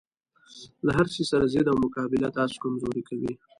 له هرشي سره ضد او مقابله تاسې کمزوري کوي